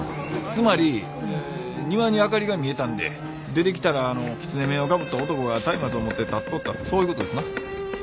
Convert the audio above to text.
つまり庭に明かりが見えたんで出てきたら狐面をかぶった男が松明を持って立っとったとそういう事ですな？